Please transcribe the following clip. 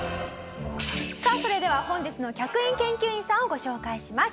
さあそれでは本日の客員研究員さんをご紹介します。